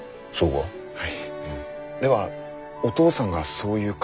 はい。